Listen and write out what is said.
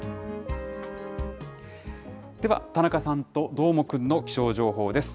では、田中さんとどーもくんの気象情報です。